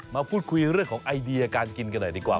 มาพูดคุยเรื่องของไอเดียการกินกันหน่อยดีกว่า